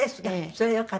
それはよかった。